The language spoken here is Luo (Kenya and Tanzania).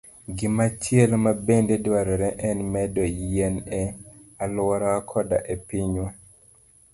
Gimachielo mabende dwarore en medo yien e alworawa koda e pinywa.